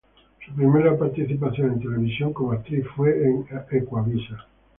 Su primera participación en televisión como actriz fue en Ecuavisa.